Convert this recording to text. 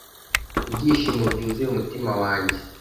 ibyishimo byuzuye umutima wanjye